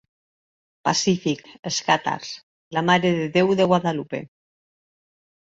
Pacífic, els càtars, la marededéu de Guadalupe.